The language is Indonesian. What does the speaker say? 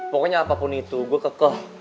pokoknya apapun itu gue kekeh